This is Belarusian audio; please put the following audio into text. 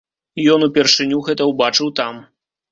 Ён упершыню гэта ўбачыў там.